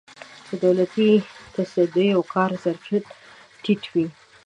د دولتي تصدیو کاري ظرفیت ټیټ وي.